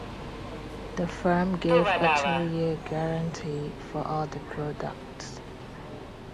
The firm gave a two-year guarantee for all the products.